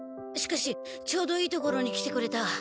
しかしちょうどいいところに来てくれた。